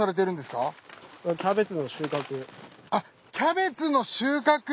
あっキャベツの収穫？